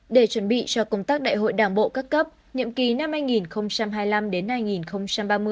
để chuẩn bị cho công tác đại hội đảng bộ các cấp nhiệm kỳ năm hai nghìn hai mươi năm đến hai nghìn ba mươi